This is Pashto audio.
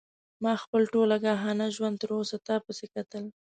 ما خپل ټول آګاهانه ژوند تر اوسه تا پسې کتل.